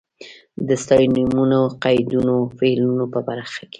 د ستاینومونو، قیدونو، فعلونو په برخه کې.